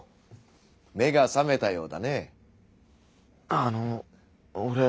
あの俺。